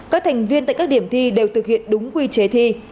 các thành viên tại các điểm thi đều thực hiện đúng quy chế thi